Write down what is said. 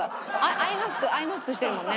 アイマスクアイマスクしてるもんね。